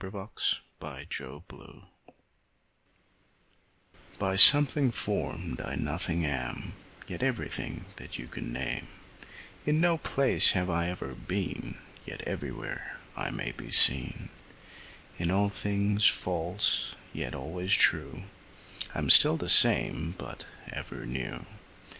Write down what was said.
ON A SHADOW IN A GLASS; By something form'd, I nothing am, Yet everything that you can name; In no place have I ever been, Yet everywhere I may be seen; In all things false, yet always true, I'm still the same but ever new.